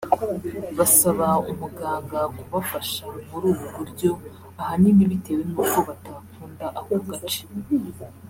Basaba umuganga kubafasha muri ubu buryo ahanini bitewe n’uko batakunda ako gace